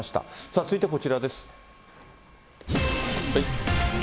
続いてこちらです。